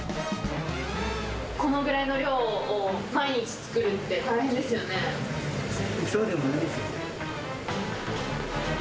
このぐらいの量を毎日作るっそうでもないですよ。